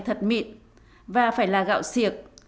mì phải được xay thật mịn và phải là gạo siệt